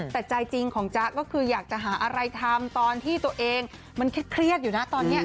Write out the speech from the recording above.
แต่ใจจริงของจ๊ะก็คืออยากจะหาอะไรทำตอนที่ตัวเองมันเครียดอยู่นะตอนนี้